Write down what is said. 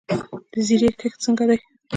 د زیرې کښت څنګه دی؟